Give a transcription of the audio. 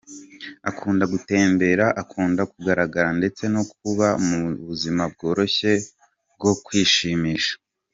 Akunda gutembera, akunda kugaragara ndetse no kuba mu buzima bworoshye bwo kwishimisha.